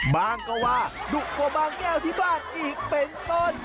บ้างก็ว่าดุกว่าบางแก้วที่บ้านอีกเป็นต้น